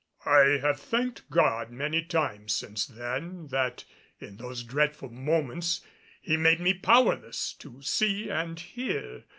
I have thanked God many times since then that in those dreadful moments he made me powerless to see and hear.